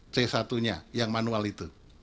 c satu nya yang manual itu